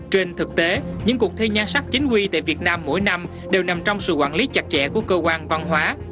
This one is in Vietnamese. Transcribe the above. trên thực tế những cuộc thi nhan sắc chính quy tại việt nam mỗi năm đều nằm trong sự quản lý chặt chẽ của cơ quan văn hóa